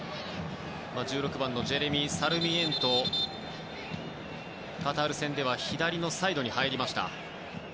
１６番のジェレミー・サルミエントはカタール戦では左のサイドに入りました。